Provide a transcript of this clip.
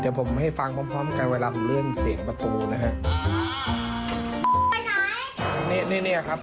เดี๋ยวผมให้ฟังพร้อมกันเวลาผมเลื่อนเสียงประตูนะครับ